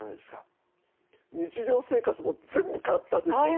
日常生活も全部変わったでしょ。